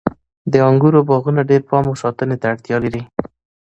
د انګورو باغونه ډیر پام او ساتنې ته اړتیا لري.